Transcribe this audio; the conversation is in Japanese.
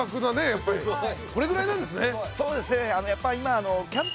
やっぱりこれぐらいなんですね